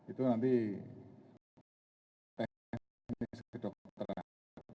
itu nanti tekniknya ini sedokteran